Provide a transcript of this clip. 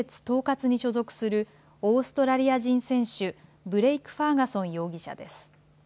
東葛に所属するオーストラリア人選手ブレイク・ファーガソン容疑者です。